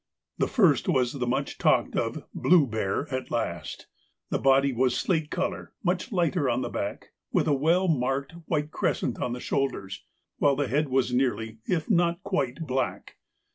The first was the much talked of 'blue' bear at last. The body was slate colour, much lighter on the back, with a very well marked white crescent on the shoulders, while the head was nearly, if not quite, black.